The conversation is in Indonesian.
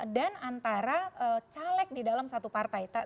dan antara caleg di dalam satu partai